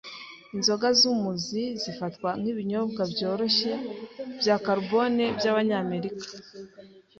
Inzoga zumuzi zifatwa nkibinyobwa byoroshye bya karubone byabanyamerika.